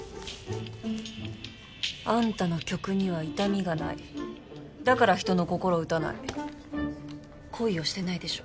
アンタの曲には痛みがないだから人の心を打たない恋をしてないでしょ